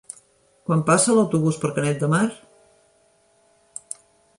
Quan passa l'autobús per Canet de Mar?